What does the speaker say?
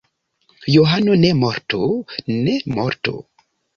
Johano ne mortu! Ne mortu!